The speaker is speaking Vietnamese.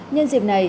nhân dịp này